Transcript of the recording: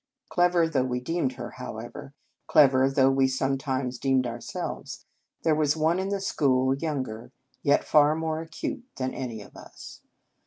Clever though we deemed her, how ever, clever though we sometimes deemed ourselves, there was one in the school, younger, yet far more acute than any of us.